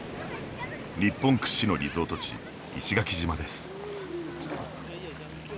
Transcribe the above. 日本屈指のリゾート地石垣島です。